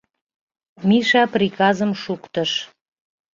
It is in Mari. Миша приказым шуктыш.